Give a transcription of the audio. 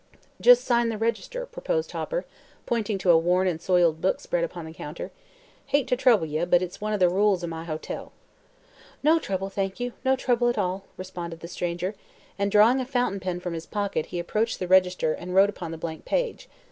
"Jest sign the register," proposed Hopper, pointing to a worn and soiled book spread upon the counter. "Hate to trouble ye, but it's one o' the rules o' my hotel." "No trouble, thank you; no trouble at all," responded the stranger, and drawing a fountain pen from his pocket he approached the register and wrote upon the blank page.